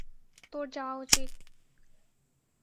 তোর যাওয়া উচিত।